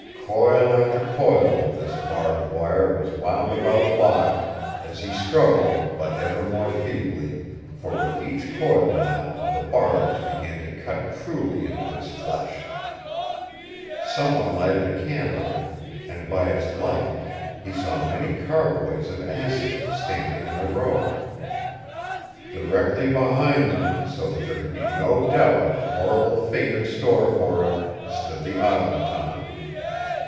Coil after coil of this barbed wire was wound about Locke as he struggled, but ever more feebly, for with each coil now the barbs began to cut cruelly into his flesh. Some one lighted a candle and by its light he saw many carboys of acid standing in a row. Directly behind them, so that there could be no doubt of the horrible fate in store for him, stood the Automaton.